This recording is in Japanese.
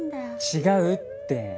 違うって。